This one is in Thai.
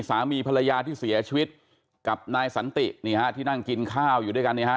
สามีภรรยาที่เสียชีวิตกับนายสันตินี่ฮะที่นั่งกินข้าวอยู่ด้วยกันเนี่ยฮะ